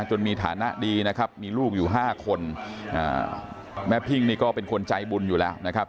จนมีฐานะดีนะครับมีลูกอยู่๕คนแม่พิ่งนี่ก็เป็นคนใจบุญอยู่แล้วนะครับ